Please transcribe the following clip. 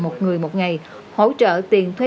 một người một ngày hỗ trợ tiền thuê